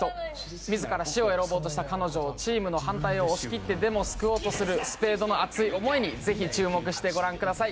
自ら死を選ぼうとした彼女をチームの反対を押し切ってでも救おうとするスペードの熱い思いにぜひ注目してご覧ください。